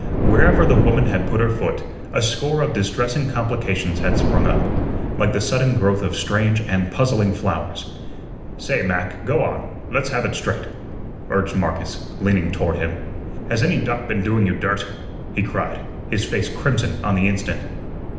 Wherever the woman had put her foot a score of distressing complications had sprung up, like the sudden growth of strange and puzzling flowers. "Say, Mac, go on; let's have ut straight," urged Marcus, leaning toward him. "Has any duck been doing you dirt?" he cried, his face crimson on the instant.